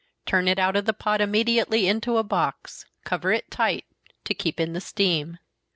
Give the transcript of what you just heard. Turn it out of the pot immediately, into a box cover it tight, to keep in the steam.